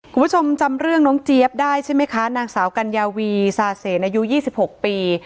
คุณผู้ชมจำเรื่องน้องเจี๊ยบได้ใช่ไหมคะนางสาวกัญญาวีซาเสนอายุ๒๖ปี